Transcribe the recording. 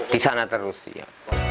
di sana terus pokoknya